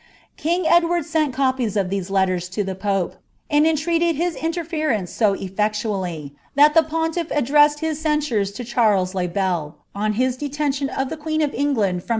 King Edward sent copies of these letters to the pope,' and entreated M interference so effectually, that the pontiff addressed bis censures to baries le Bel, on his detention of the queen of England from her royal ' Rynter*s Fosdera, vol.